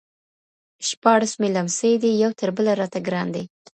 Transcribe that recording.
شپاړس مي لمسي دي یو تر بله راته ګران دي